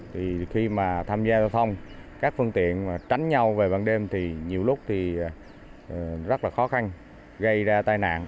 thì khi mà tham gia giao thông các phương tiện mà tránh nhau về ban đêm thì nhiều lúc thì rất là khó khăn gây ra tai nạn